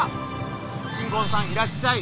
新婚さんいらっしゃい！